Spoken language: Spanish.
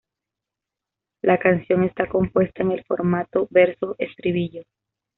La canción está compuesta en el formato verso-estribillo.